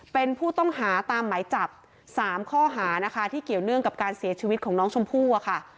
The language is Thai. เป็นผู้ต้องหาตามหมายจับ๓ข้อหานะคะที่เกี่ยวเนื่องกับการเสียชีวิตของน้องชมพู่อะค่ะ